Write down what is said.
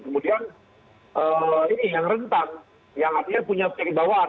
kemudian ini yang rentang yang artinya punya sering bawaan